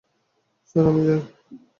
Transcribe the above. Sir আমি যাই?